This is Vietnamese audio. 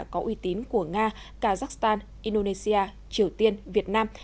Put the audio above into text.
có uy tín của nga kazakhstan indonesia triều tiên việt nam